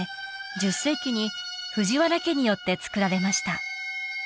１０世紀に藤原家によって作られました